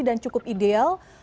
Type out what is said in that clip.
dan cukup ideal